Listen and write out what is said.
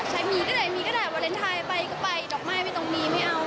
ใครมีก็ได้มีก็ได้วาเลนไทยไปก็ไปดอกไม้ไม่ต้องมีไม่เอา